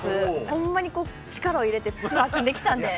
ほんまに力を入れてツアー組んできたんで。